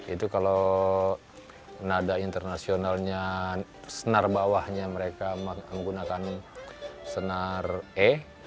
itu kalau nada internasionalnya senar bawahnya mereka menggunakan senar e